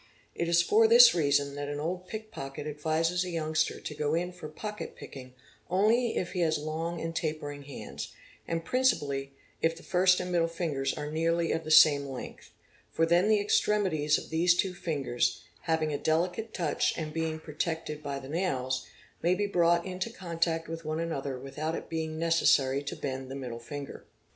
It is for this reason that an old pickpocket advises a youngster to goin for pocket picking only if he has long and tapering hands, and principally if the first and middle fingers are nearly of the same length, for then the extremities of these two fingers, having a delicate touch and being protec ted by the nails, may be brought into contact with one another without it being necessary to bend the middle finger.